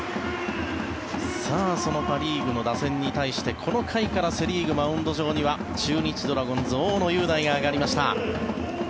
そのパ・リーグの打線に対してこの回からセ・リーグ、マウンド上には中日ドラゴンズ、大野雄大が上がりました。